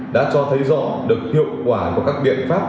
đã cho thấy rõ được hiệu quả của các biện pháp